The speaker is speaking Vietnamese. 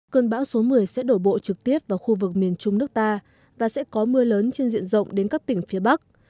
cơn bão số một mươi sẽ đổ bộ trực tiếp vào khu vực miền trung nước ta và sẽ có mưa lớn trên diện rộng đến các tỉnh phía bắc